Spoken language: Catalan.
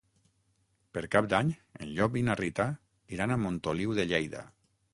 Per Cap d'Any en Llop i na Rita iran a Montoliu de Lleida.